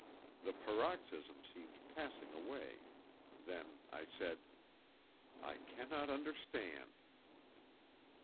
The paroxysm seemed passing away. Then I said: "I cannot understand."